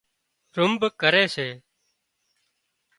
رنڀ ڪري سي